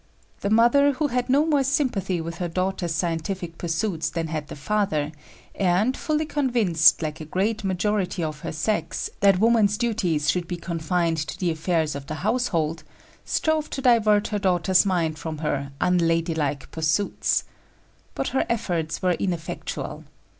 The mother, who had no more sympathy with her daughter's scientific pursuits than had the father, and, fully convinced, like the great majority of her sex, that woman's duties should be confined to the affairs of the household, strove to divert her daughter's mind from her "unladylike" pursuits. But her efforts were ineffectual.